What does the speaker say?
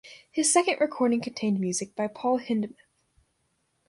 His second recording contained music by Paul Hindemith.